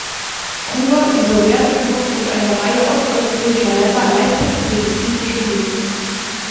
Kuba, die Sowjetunion und eine Reihe osteuropäischer Länder leisteten medizinische Hilfe.